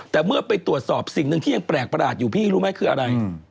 แต่เมื่อไปตรวจสอบสิ่งหนึ่งที่ยังแปลกประหลาดอยู่พี่รู้ไหมคืออะไร